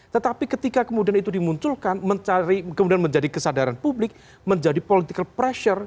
tetapi ketika kemudian itu dimunculkan kemudian menjadi kesadaran publik menjadi political pressure